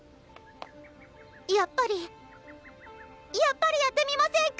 やっぱりやっぱりやってみませんか？